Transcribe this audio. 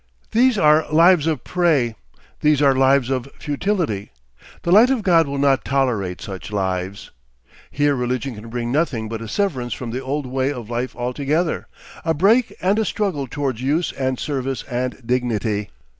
These are lives of prey, these are lives of futility; the light of God will not tolerate such lives. Here religion can bring nothing but a severance from the old way of life altogether, a break and a struggle towards use and service and dignity.